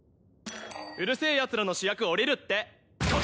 『うる星やつら』の主役降りるって。